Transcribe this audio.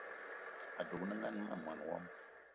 Adugna ma mwaní wama